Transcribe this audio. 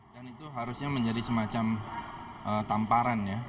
dan itu harusnya menjadi semacam tamparan ya